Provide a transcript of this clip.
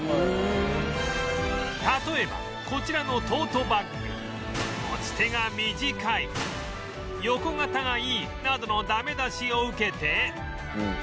例えばこちらのトートバッグ「持ち手が短い」「横型がいい」などのダメ出しを受けて